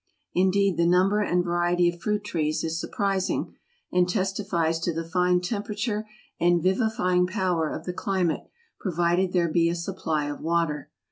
Indeed the number and variety of fruit trees is surprising, and testifies to the fine temperature and vivifying power of the climate, provided there be a supply of water.